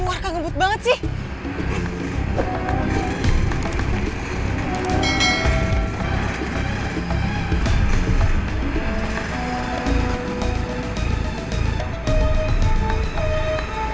arka ngebut banget sih